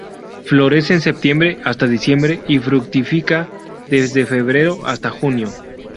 Florece en setiembre hasta diciembre y fructifica desde febrero hasta junio.